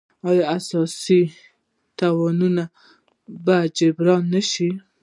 ایا ستاسو تاوان به جبران نه شي؟